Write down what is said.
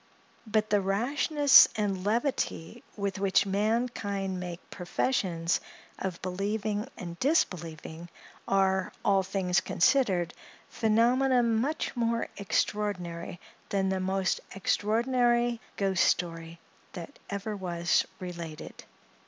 But the rashness and levity with which mankind make professions of believing and disbelieving, are, all things considered, phenomena much more extraordinary than the most extraordinary ghost story that ever was related.